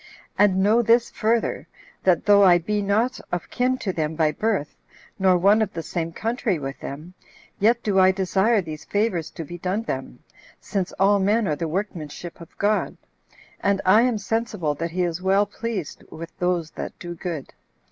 And know this further, that though I be not of kin to them by birth, nor one of the same country with them, yet do I desire these favors to be done them, since all men are the workmanship of God; and I am sensible that he is well pleased with those that do good.